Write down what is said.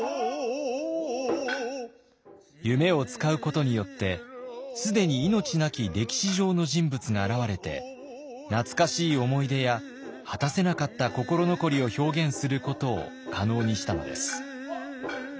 夢を使うことによって既に命なき歴史上の人物が現れて懐かしい思い出や果たせなかった心残りを表現することを可能にしたのです。